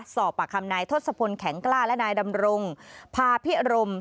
สอบปากคำนายทศพลแข็งกล้าและนายดำรงพาพิรม